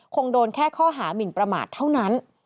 คงโดนแค่ข้อหามินประมาทเท่านั้น